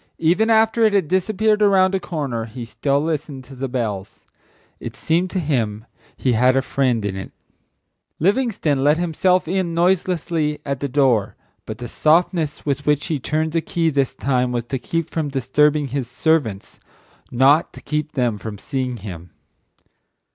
Even after it had disappeared around a corner, he still listened to the bells. It seemed to him he had a friend in it. Livingstone let himself in noiselessly at his door, but the softness with which he turned the key this time was to keep from disturbing his servants, not to keep them from seeing him.